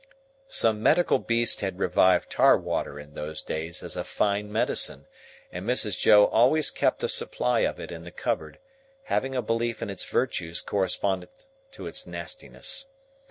Some medical beast had revived Tar water in those days as a fine medicine, and Mrs. Joe always kept a supply of it in the cupboard; having a belief in its virtues correspondent to its nastiness.